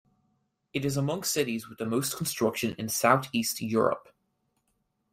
It is among the cities with the most construction in South-east Europe.